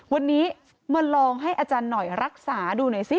วันนี้มาลองให้อาจารย์หน่อยรักษาดูหน่อยซิ